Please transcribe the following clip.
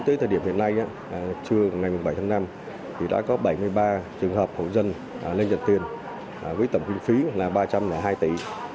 hôm nay trưa ngày một mươi bảy tháng năm đã có bảy mươi ba trường hợp hộ dân lên nhận tiền với tầm khuyến phí là ba trăm linh hai tỷ